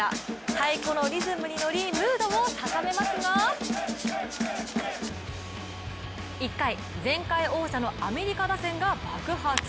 太鼓のリズムに乗りムードを高めますが１回、前回王者のアメリカ打線が爆発。